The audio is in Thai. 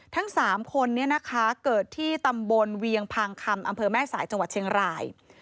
ทั้ง๓คนนี้นะคะเกิดที่ตำบลเวียงพางคำอำเภอแม่สายจังหวัดเชียงราย